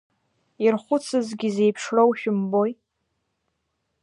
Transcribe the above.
Ирхәыцызгьы зеиԥшроу шәымбои.